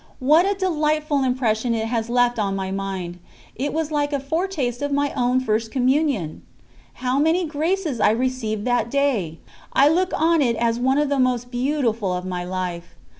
What a delightful impression it has left on my mind it was like a foretaste of my own First Communion! How many graces I received that day! I look on it as one of the most beautiful of my life.